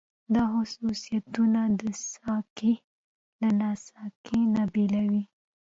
دا خصوصيتونه ساکښ له ناساکښ نه بېلوي.